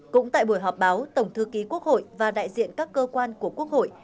cũng tại buổi họp báo tổng thư ký quốc hội và đại diện các cơ quan của quốc hội